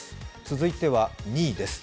続いては２位です。